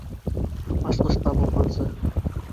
Асҡыс табылғанса.